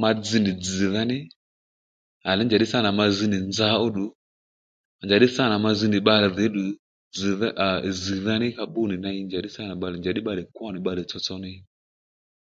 Ma dzz nì dzz̀dha ní à ley njàddí sâ nà ma zz nì nza ó ddù njàddí sânà ma zz nì bbalè děddù zzdha aa zzdha ní ka bbú nì ney njàddí bbalè kwó nì bbalè tsotso ney